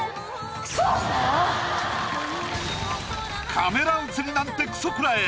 カメラ映りなんてクソ食らえ！